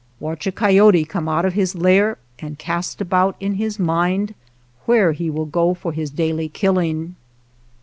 Watch a coyote come out of his lair and , cast about in his mind where he will go for his daily killing.